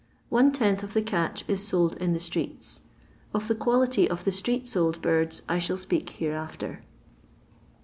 One tenth of the catch is sold in the streets. Of the fvality of the street^old birds I shall speak btreafter.